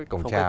cái cổng trào